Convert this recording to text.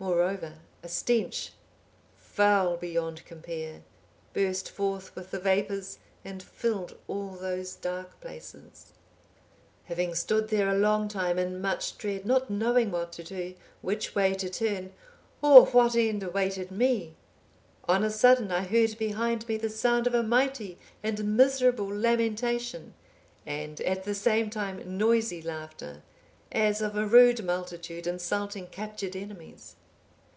Moreover, a stench, foul beyond compare, burst forth with the vapours, and filled all those dark places. "Having stood there a long time in much dread, not knowing what to do, which way to turn, or what end awaited me, on a sudden I heard behind me the sound of a mighty and miserable lamentation, and at the same time noisy laughter, as of a rude multitude insulting captured enemies.